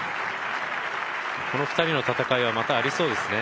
この２人の戦いはまたありそうですね。